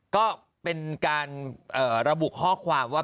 ก็เป็นการระบุข้อความว่า